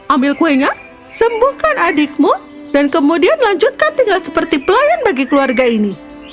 ambil kuenya sembuhkan adikmu dan kemudian lanjutkan tinggal seperti pelayan bagi keluarga ini